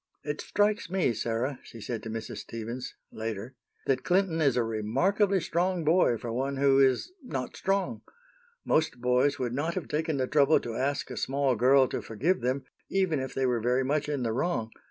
"It strikes me, Sarah," she said to Mrs. Stevens, later, "that Clinton is a remarkably strong boy for one who is not strong. Most boys would not have taken the trouble to ask a small girl to forgive them, even if they were very much in the wrong.